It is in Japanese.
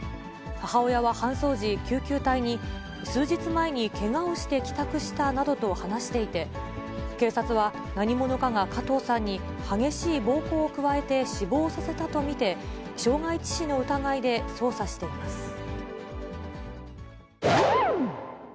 母親は搬送時、救急隊に、数日前にけがをして帰宅したなどと話していて、警察は何者かが加藤さんに激しい暴行を加えて死亡させたと見て、傷害致死の疑いで捜査しています。